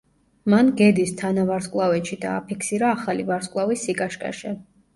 მან გედის თანავარსკვლავედში დააფიქსირა ახალი ვარსკვლავის სიკაშკაშე.